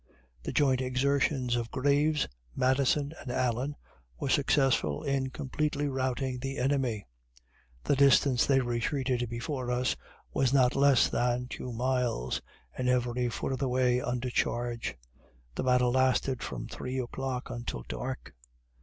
The joint exertions of Graves, Madison, and Allen, were successful in completely routing the enemy. The distance they retreated before us was not less than two miles, and every foot of the way under charge. The battle lasted from three o'clock until dark!